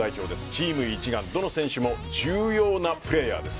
チーム一丸、どの選手も重要なプレーヤーです。